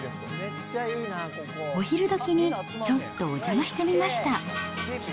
お昼どきにちょっとお邪魔してみました。